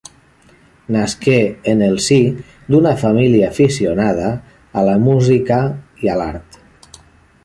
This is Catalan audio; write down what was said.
Nasqué en el si d'una família aficionada a la música i a l'art.